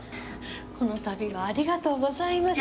このたびはありがとうございました。